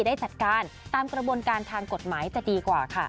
ได้จัดการตามกระบวนการทางกฎหมายจะดีกว่าค่ะ